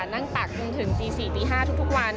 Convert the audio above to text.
นั่งตักจนถึงตี๔ตี๕ทุกวัน